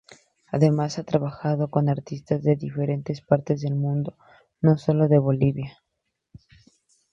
Además, ha trabajado con artistas de diferentes partes del mundo, no sólo de Bolivia.